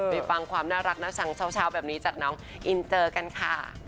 ไปฟังความน่ารักน่าชังเช้าแบบนี้จากน้องอินเตอร์กันค่ะ